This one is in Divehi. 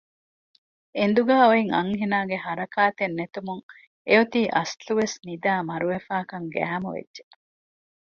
އެނދުގައި އޮތް އަންހެނާގެ ހަރަކާތެއް ނެތުމުން އެއޮތީ އަސްލުވެސް ނިދައި މަރުވެފައިކަން ގައިމުވެއްޖެ